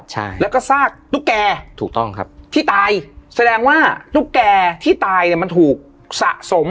ใช่แล้วก็ซากตุ๊กแกถูกต้องครับที่ตายแสดงว่าตุ๊กแก่ที่ตายเนี่ยมันถูกสะสม